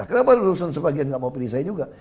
kenapa lulusan sebagian nggak mau pilih saya juga